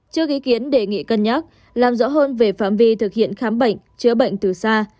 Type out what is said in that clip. chưa ý kiến đề nghị cân nhắc làm rõ hơn về phạm vi thực hiện khám bệnh chữa bệnh từ xa